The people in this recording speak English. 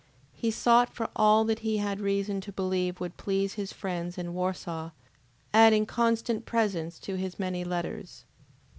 He sought for all that he had reason to believe would please his friends in Warsaw, adding constant presents to his many letters.